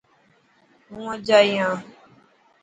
هون اڄ ائي هان.